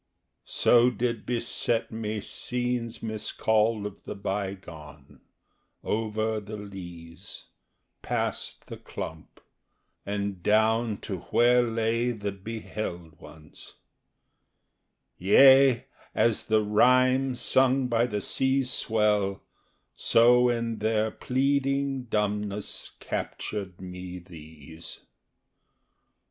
So did beset me scenes miscalled of the bygone, Over the leaze, Past the clump, and down to where lay the beheld ones; —Yea, as the rhyme Sung by the sea swell, so in their pleading dumbness Captured me these.